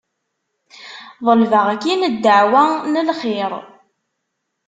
Ḍelbeɣ-k-in ddeɛwa n lxir.